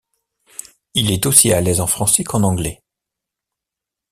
Il est aussi à l'aise en français qu'en anglais.